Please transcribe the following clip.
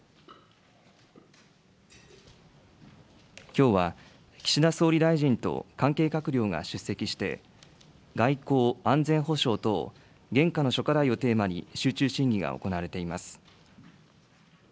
きょうは、岸田総理大臣と関係閣僚が出席して、外交・安全保障等現下の諸課題をテーマに、集中審議が行われています。